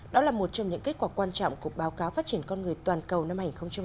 đó là một trong những kết quả quan trọng của báo cáo phát triển con người toàn cầu năm hai nghìn hai mươi